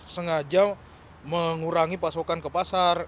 sengaja mengurangi pasokan ke pasar